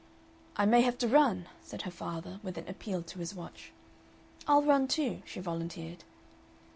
"I may have to run," said her father, with an appeal to his watch. "I'll run, too," she volunteered.